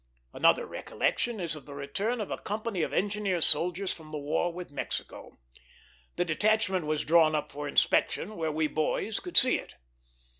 Another recollection is of the return of a company of engineer soldiers from the War with Mexico. The detachment was drawn up for inspection where we boys could see it.